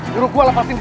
juru gua lepasin dia